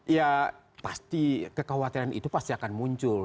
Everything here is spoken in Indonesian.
ya pasti kekhawatiran itu pasti akan muncul